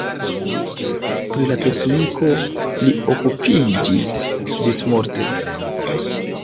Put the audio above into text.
Pri la tekniko li okupiĝis ĝismorte.